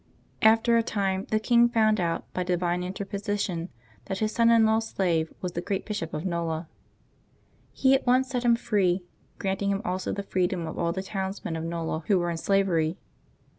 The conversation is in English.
After a time the king found out, by divine interposition, that his son in law's slave was the great Bishop of ISTola. He at once set him free, granting him also the freedom of all the towns men of Kola who were in slavery.